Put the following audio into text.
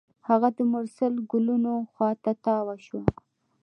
هغه د مرسل ګلونو خوا ته تاوه شوه.